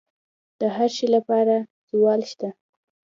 د هر شي لپاره زوال شته،